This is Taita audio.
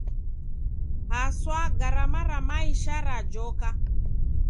Haswa garama ra maisha rajoka.